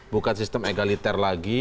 bukan sistem egaliter lagi